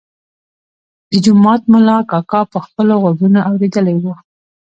د جومات ملا کاکا په خپلو غوږونو اورېدلی و.